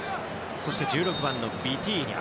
そして、１６番のビティーニャ。